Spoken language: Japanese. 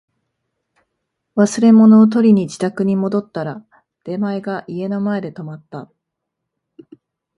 忘れ物を取りに自宅に戻ったら、出前が家の前で止まった